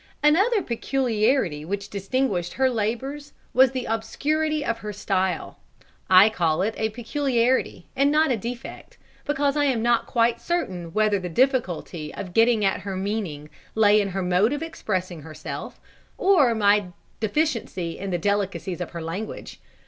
Another peculiarity which distinguished her labours was the obscurity of her style; I call it a peculiarity, and not a defect, because I am not quite certain whether the difficulty of getting at her meaning lay in her mode of expressing herself or my deficiency in the delicacies of her language.